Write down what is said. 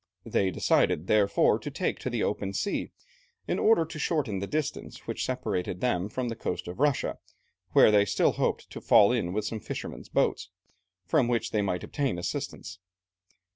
They decided therefore to take to the open sea, in order to shorten the distance which separated them from the coast of Russia, where they hoped to fall in with some fishermen's boats, from which they might obtain assistance.